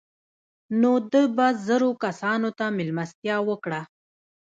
نو ده به زرو کسانو ته مېلمستیا وکړه.